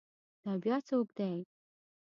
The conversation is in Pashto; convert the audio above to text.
دا بیا څوک دی؟